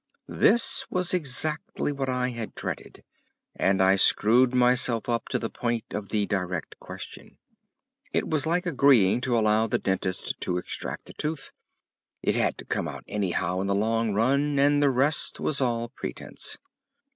This was exactly what I had dreaded, and I screwed myself up to the point of the direct question. It was like agreeing to allow the dentist to extract the tooth; it had to come anyhow in the long run, and the rest was all pretence.